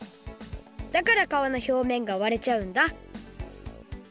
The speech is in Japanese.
だからかわの表面が割れちゃうんだ